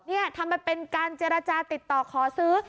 นี่ทำมาเป็นการเจรจาติดต่อขอซื้อ